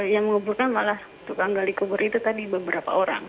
yang menguburkan malah untuk yang menggali kubur itu tadi beberapa orang